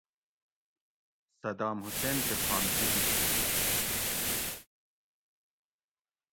صدام حسین کہ پھانسی دِت